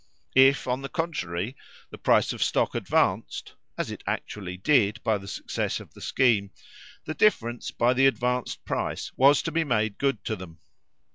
If, on the contrary, the price of stock advanced (as it actually did by the success of the scheme), the difference by the advanced price was to be made good to them.